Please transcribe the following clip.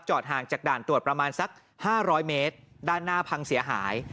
ห่างจากด่านตรวจประมาณสัก๕๐๐เมตรด้านหน้าพังเสียหาย